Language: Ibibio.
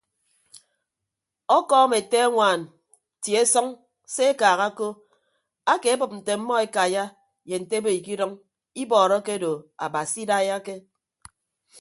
Ọkọọm ete añwaan tie sʌñ se ekaaha ko akeebịp nte ọmmọ ekaiya ye nte ebo ikidʌñ ibọọrọ akedo abasi idaiyake.